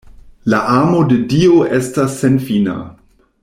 La amo de Dio estas senfina.